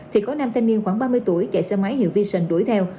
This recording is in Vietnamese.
thì có năm thanh niên khoảng ba mươi tuổi chạy xe máy nhiều vision đuổi theo